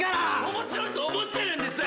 面白いと思ってるんです！